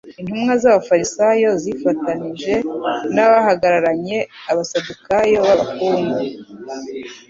Intumwa z'abafarisayo zifatanije n'abahagaranye abasadukayo b'abakungu